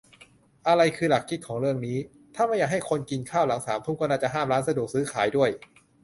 อะไรคือหลักคิดของเรื่องนี้ ถ้าไม่อยากให้คนกินข้าวหลังสามทุ่ม ก็น่าจะห้ามร้านสะดวกซื้อขายด้วย